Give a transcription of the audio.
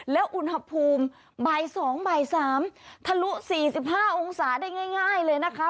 และอุณหภูมิใบ๒๓ทะลุ๔๕องศาได้ง่ายเลยนะคะ